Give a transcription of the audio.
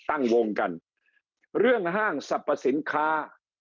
ตั้งวงกันเรื่องห้างสรรพสินค้า